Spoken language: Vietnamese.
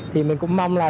thì mình cũng mong là